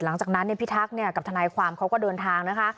หลังจากนั้นพิทักษ์กับทนายความเขาก็เดินทางนะคะ